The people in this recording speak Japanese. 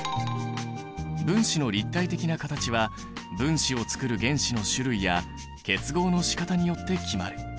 分子の立体的な形は分子をつくる原子の種類や結合のしかたによって決まる。